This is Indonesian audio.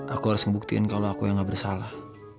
aku harus membuktiin kalau aku yang gak bersalah